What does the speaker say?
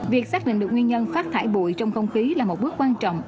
việc xác định được nguyên nhân phát thải bụi trong không khí là một bước quan trọng